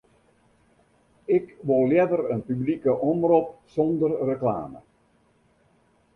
Ik wol leaver in publike omrop sonder reklame.